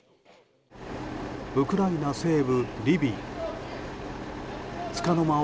ウクライナ西部リビウ。